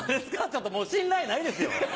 ちょっともう信頼ないですよ。